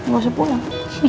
gua harus pulang